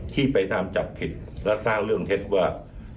ที่ไปตามจับผิดและสร้างเรื่องเท็จว่า